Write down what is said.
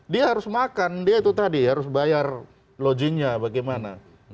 dia harus makan dia itu tadi harus bayar loginnya bagaimana